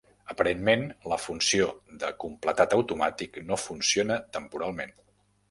Aparentment, la funció de completat automàtic no funciona temporalment.